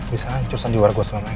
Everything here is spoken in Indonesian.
bisa hancur sandiwar gue selama ini